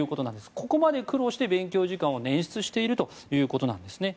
ここまで苦労して勉強時間を捻出しているということなんですね。